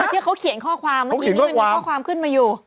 ที่เขาเขียนข้อความเมื่อกี้นี้มันมีข้อความขึ้นมาอยู่